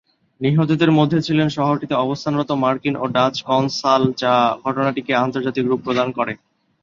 নিহতদের মধ্যে ছিলেন শহরটিতে অবস্থানরত মার্কিন ও ডাচ কনসাল, যা ঘটনাটিকে আন্তর্জাতিক রূপ প্রদান করে।